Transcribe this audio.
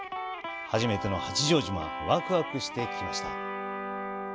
初めての八丈島、ワクワクしてきました！